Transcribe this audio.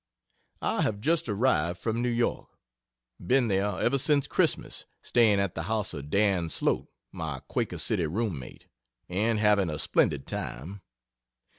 I have just arrived from New York been there ever since Christmas staying at the house of Dan Slote my Quaker City room mate, and having a splendid time.